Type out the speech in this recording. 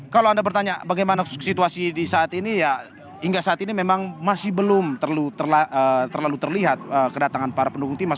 kalau anda bertanya bagaimana situasi di saat ini ya hingga saat ini memang masih belum terlalu terlihat kedatangan para pendukung timnas